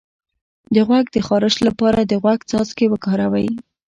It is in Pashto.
د غوږ د خارش لپاره د غوږ څاڅکي وکاروئ